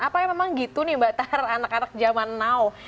apa yang memang gitu nih mbak tahar anak anak zaman now